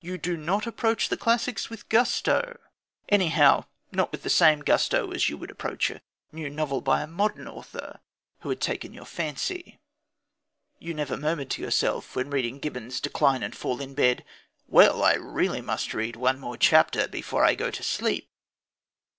You do not approach the classics with gusto anyhow, not with the same gusto as you would approach a new novel by a modern author who had taken your fancy. You never murmured to yourself, when reading Gibbon's Decline and Fall in bed: "Well, I really must read one more chapter before I go to sleep!"